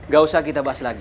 gak usah kita bahas lagi